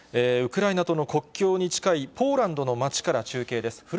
ウクライナとの国境に近いポーランドの街から中継です。